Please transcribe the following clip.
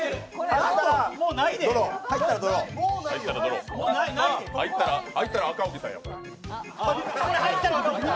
あ、入ったら赤荻さんや。